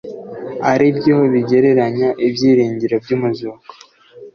ari byo bigereranya ibyiringiro by umuzuko